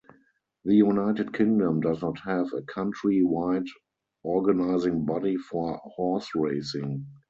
The United Kingdom does not have a country-wide organising body for horseracing.